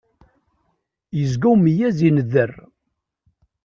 Yezga umedyaz ineddeṛ.